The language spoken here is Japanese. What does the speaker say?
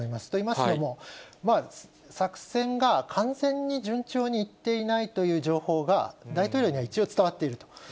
といいますのも、作戦が完全に順調にいっていないという情報が、大統領には一応伝わっていると。